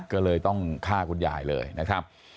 ก็เลยต้องฆ่าคุณยายเลยนะครับ